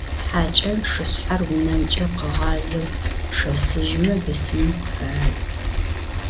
Хьакӏэм шышъхьэр унэмкӏэ къыгъазэу шэсыжьмэ, бысымым къыфэраз.